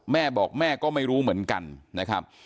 แม่บอกแม่ก็ไม่รู้เหมือนกันนะครับ